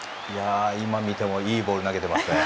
今、見てもいいボール投げてますね！